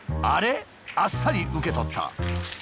あっさり受け取った。